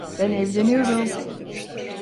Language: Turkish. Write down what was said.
Ben evleniyorum.